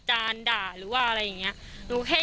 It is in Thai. ก็กลายเป็นว่าติดต่อพี่น้องคู่นี้ไม่ได้เลยค่ะ